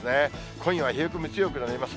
今夜は冷え込み強くなります。